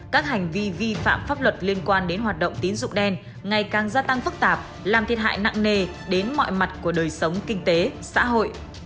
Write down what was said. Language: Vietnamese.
các hành vi vi phạm pháp luật liên quan đến hoạt động tín dụng đen ngày càng gia tăng phức tạp làm thiệt hại nặng nề đến mọi mặt của đời sống kinh tế xã hội